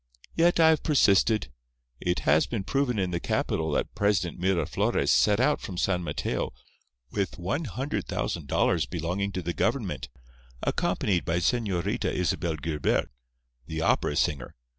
Yet I have persisted. It has been proven in the capital that President Miraflores set out from San Mateo with one hundred thousand dollars belonging to the government, accompanied by Señorita Isabel Guilbert, the opera singer.